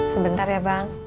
sebentar ya bang